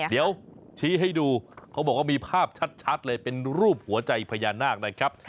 เดี๋ยวชี้ให้ดูเขาบอกว่ามีภาพชัดเลยเป็นรูปหัวใจพญานาคนะครับ